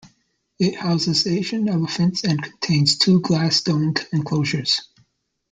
It houses Asian elephants and contains two glass-domed enclosures.